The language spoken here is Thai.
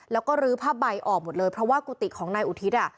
แล้วก็ลื้อผ้าใบออกหมดเลยเพราะว่ากุฏิของนายอุทิศอ่ะ